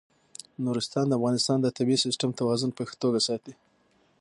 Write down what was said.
نورستان د افغانستان د طبعي سیسټم توازن په ښه توګه ساتي.